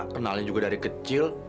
kenalin juga dari kecil